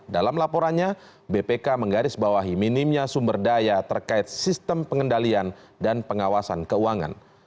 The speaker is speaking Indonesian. dalam laporannya bpk menggarisbawahi minimnya sumber daya terkait sistem pengendalian dan pengawasan keuangan